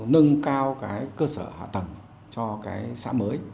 nâng cao cái cơ sở hạ tầng cho cái xã mới